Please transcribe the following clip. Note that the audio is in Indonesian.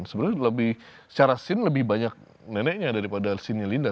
sebenarnya lebih secara scene lebih banyak neneknya daripada scene linda